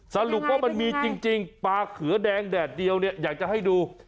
สรุปว่ามันมีจริงปลาเขือแดงแดดเดียวเนี่ยอยากจะให้ดู